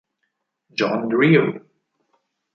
John Drew